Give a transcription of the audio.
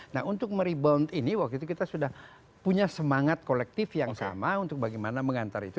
nah untuk merebound ini waktu itu kita sudah punya semangat kolektif yang sama untuk bagaimana mengantar itu